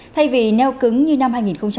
thay vì neo cứng như năm hai nghìn một mươi